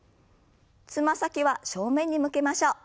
つま先は正面に向けましょう。